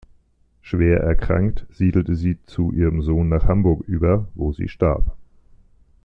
Schwer erkrankt, siedelte sie zu ihrem Sohn nach Hamburg über, wo sie starb.